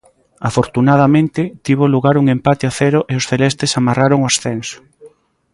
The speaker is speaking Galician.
Afortunadamente, tivo lugar un empate a cero e os celestes amarraron o ascenso.